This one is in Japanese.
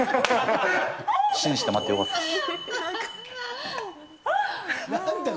信じて待ってよかったです。